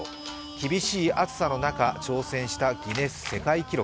厳しい暑さの中、挑戦したギネス世界記録。